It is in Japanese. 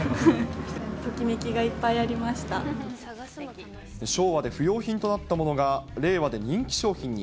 ときめきがいっぱいありまし昭和で不用品となったものが、令和で人気商品に。